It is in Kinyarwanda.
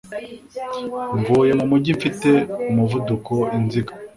Mvuye mu mujyi mfite umuvuduko Inziga